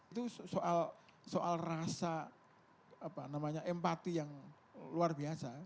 itu soal rasa empati yang luar biasa